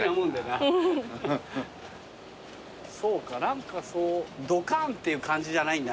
そうか何かドカンっていう感じじゃないんだな。